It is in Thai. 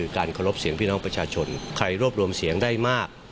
ใครร่วมร่วมเสียงได้มาก